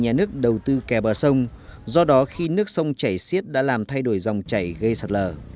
nhà nước đầu tư kè bờ sông do đó khi nước sông chảy xiết đã làm thay đổi dòng chảy gây sạt lở